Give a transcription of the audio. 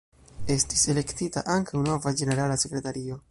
Estis elektita ankaŭ nova ĝenerala sekretario.